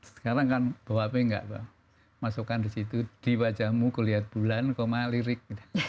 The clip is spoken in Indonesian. sekarang kan bawa hp nggak bang masukkan di situ di wajahmu kulihat bulan lirik